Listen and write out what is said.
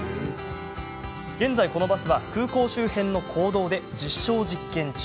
現在、このバスは空港周辺の公道で実証実験中。